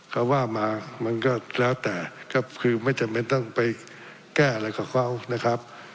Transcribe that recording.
ก็ว่ามามันก็แล้วแต่ก็คือไม่จำเป็นต้องไปแก้อะไรกับเขานะครับ